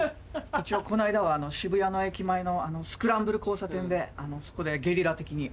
一応この間は渋谷の駅前のスクランブル交差点でゲリラ的に。